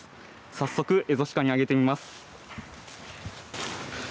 早速エゾシカにあげてみます。